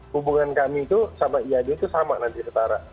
hubungan kami itu sama iad itu sama nanti setara